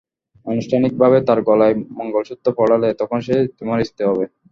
আনুষ্ঠানিকভাবে তার গলায় মঙ্গলসূত্র পড়ালে, তখনই সে তোমার স্ত্রী হবে।